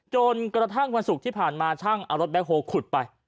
จนกระทั่งประสุทธิ์ที่ผ่านมาช่างเอารถแบ็คโฮขุดไป